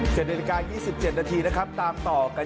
เศรษฐการณ์ยี่สิบเจ็ดนาทีนะครับตามต่อกัน